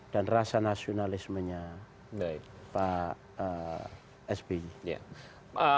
dan rasa nasionalismenya pak sp